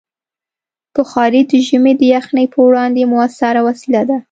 بخاري د ژمي د یخنۍ پر وړاندې مؤثره وسیله ده.